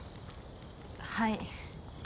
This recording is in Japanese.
はい。